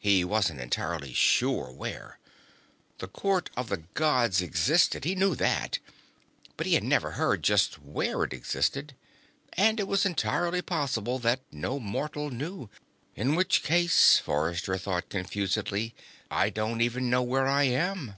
He wasn't entirely sure where. The Court of the Gods existed; he knew that. But he had never heard just where it existed, and it was entirely possible that no mortal knew. In which case, Forrester thought confusedly, I don't even know where I am.